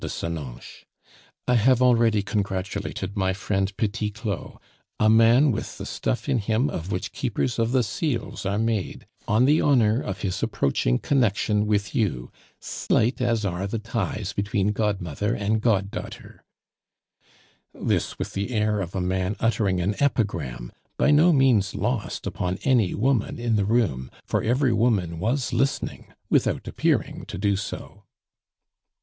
de Senonches, "I have already congratulated my friend Petit Claud (a man with the stuff in him of which Keepers of the Seals are made) on the honor of his approaching connection with you, slight as are the ties between godmother and goddaughter " (this with the air of a man uttering an epigram, by no means lost upon any woman in the room, for every woman was listening without appearing to do so.)